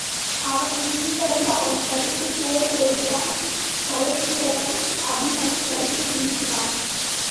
அவனைப் பின்தொடர்ந்து அவனைத் தடுத்துப் போர் தொடுத்தான் சயத்திரதன் அபிமனைத் தடுத்து நிறத்தினான்.